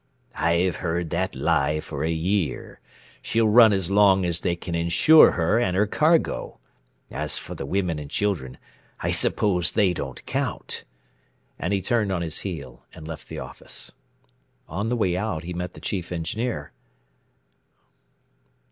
"I've heard that lie for a year. She'll run as long as they can insure her and her cargo. As for the women and children, I suppose they don't count " and he turned on his heel and left the office. On the way out he met the Chief Engineer.